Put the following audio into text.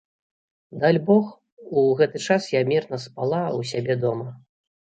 Дальбог, у гэты час я мірна спала ў сябе дома.